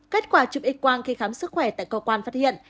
kết quả chụp x quang khi khám sức khỏe tại cơ quan phát hiện